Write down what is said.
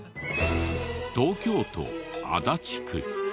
東京都足立区。